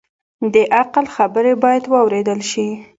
د عقل خبرې باید واورېدل شي